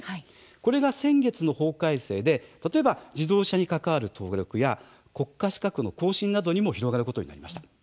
これは先月の法改正で例えば自動車に関わる登録や国家資格の更新などにも広がることになりました。